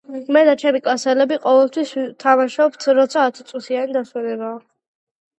მე და ჩემი კლასელები ყოველთვის ვთამაშობთ როცა ათ წუთიანი დასვენებაა